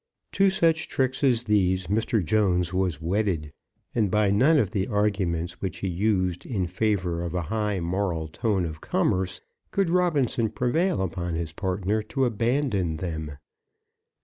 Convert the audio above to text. To such tricks as these Mr. Jones was wedded, and by none of the arguments which he used in favour of a high moral tone of commerce could Robinson prevail upon his partner to abandon them.